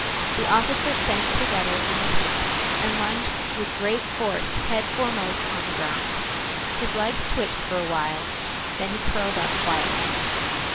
The officer sank together in a heap and lunged with great force head foremost on the ground. His legs twitched for a while, then he curled up quietly.